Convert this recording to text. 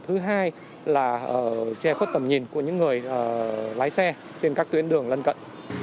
thứ hai là che khuất tầm nhìn của những người lái xe trên các tuyến đường lân cận